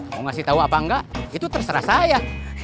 mau ngasih tahu apa enggak itu terserah saya